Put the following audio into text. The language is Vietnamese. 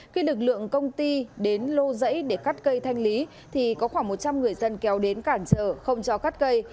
khi lực lượng công ty đến lô rẫy để cắt cây thanh lý thì có khoảng một trăm linh người dân kéo đến cản trở không cho cắt cây